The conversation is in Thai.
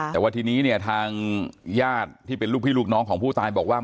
แต่ว่าทีนี้เนี่ยทางญาติที่เป็นลูกพี่ลูกน้องของผู้ตายบอกว่า